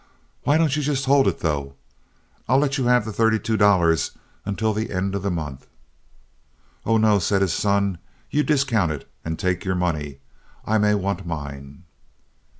"Why don't you just hold it, though? I'll let you have the thirty two dollars until the end of the month." "Oh, no," said his son, "you discount it and take your money. I may want mine."